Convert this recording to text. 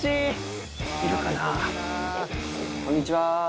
こんにちは。